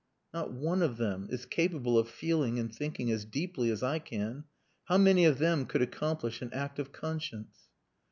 "Not one of them is capable of feeling and thinking as deeply as I can. How many of them could accomplish an act of conscience?"